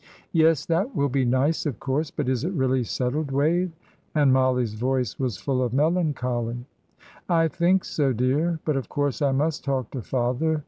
"Yes, that will be nice, of course. But is it really settled, Wave?" and Mollie's voice was full of melancholy. "I think so, dear; but, of course, I must talk to father.